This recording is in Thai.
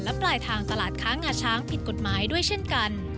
และปลายทางตลาดค้างงาช้างผิดกฎหมายด้วยเช่นกัน